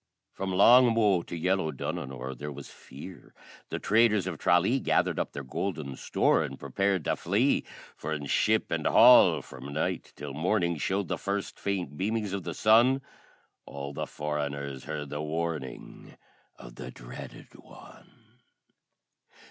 From Loughmoe to yellow Dunanore There was fear; the traders of Tralee Gathered up their golden store, And prepared to flee; For, in ship and hall from night till morning, Showed the first faint beamings of the sun, All the foreigners heard the warning Of the Dreaded One!